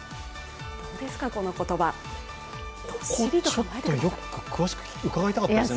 ここちょっと詳しく伺いたかったですね。